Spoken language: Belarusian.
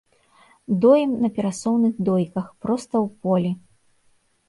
Доім на перасоўных дойках, проста ў полі.